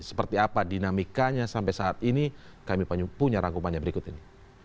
seperti apa dinamikanya sampai saat ini kami punya rangkumannya berikut ini